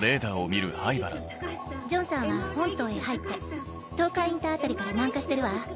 ジョンさんは本島へ入って東海インター辺りから南下してるわ。